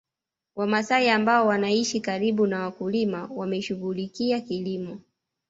Wamasai ambao wanaishi karibu na wakulima wameshughulikia kilimo